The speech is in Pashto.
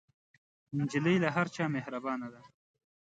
نجلۍ له هر چا مهربانه ده.